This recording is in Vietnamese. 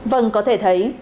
vâng có thể thấy